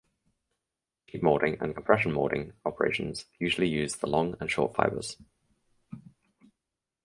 Sheet moulding and compression moulding operations usually use the long and short fibres.